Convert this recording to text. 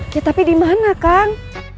ya tapi di mana kan